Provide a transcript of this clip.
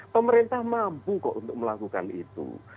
pemerintah mampu kok untuk melakukan itu